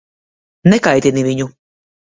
Nekaitini viņu.